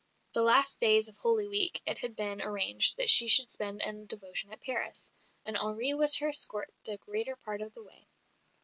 The last days of Holy Week it had been arranged that she should spend in devotion at Paris, and Henri was her escort the greater part of the way.